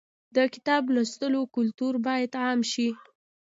د کتاب لوستلو کلتور باید عام شي.